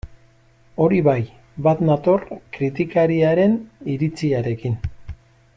Hori bai, bat nator kritikariaren iritziarekin.